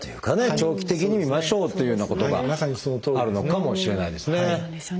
長期的に見ましょうというようなことがあるのかもしれないですね。